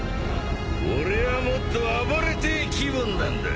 俺はもっと暴れてえ気分なんだ。